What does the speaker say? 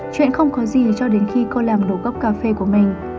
chuyện không có gì cho đến khi cô làm đổ gốc cà phê của mình